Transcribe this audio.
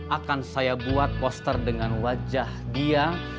akan saya buat poster dengan wajah dia